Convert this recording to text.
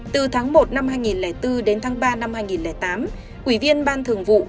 từ tháng một năm hai nghìn bốn đến tháng ba năm hai nghìn tám ủy viên ban thường vụ